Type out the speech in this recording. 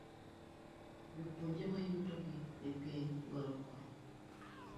Jopuonjre mayuto gi ni piny dwaro kony.